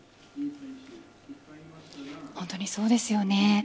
本当にそうですよね。